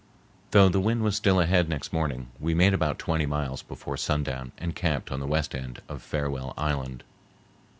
Though the wind was still ahead next morning, we made about twenty miles before sundown and camped on the west end of Farewell Island.